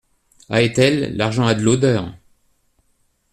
A Etel, l'argent a de l'odeur.